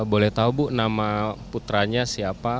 boleh tahu bu nama putranya siapa